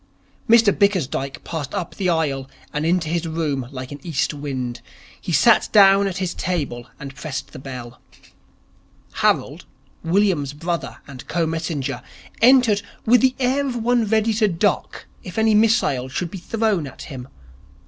Mr Bickersdyke passed up the aisle and into his room like an east wind. He sat down at his table and pressed the bell. Harold, William's brother and co messenger, entered with the air of one ready to duck if any missile should be thrown at him.